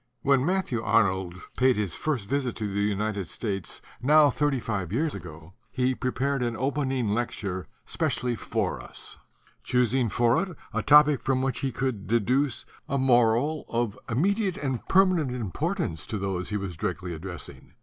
When Matthew Arnold paid his first visit to the United States, now thirty five years ago, he prepared an opening lecture specially for us, 23 THE DUTY OF THE INTELLECTUALS choosing for it a topic from which he could de duce a moral of immediate and permanent im portance to those he was directly addressing.